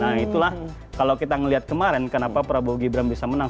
nah itulah kalau kita melihat kemarin kenapa prabowo gibran bisa menang